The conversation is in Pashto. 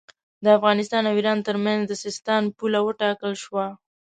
د افغانستان او ایران ترمنځ د سیستان پوله وټاکل شوه.